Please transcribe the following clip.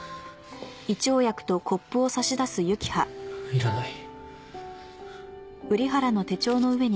いらない。